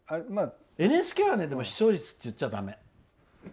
でも、ＮＨＫは視聴率って言っちゃだめ。